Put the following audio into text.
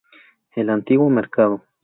El antiguo mercado.